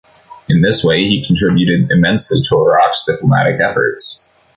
In this way he contributed immensely to Iraq's diplomatic efforts.